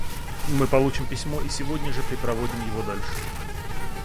Мы получим письмо и сегодня же препроводим его дальше.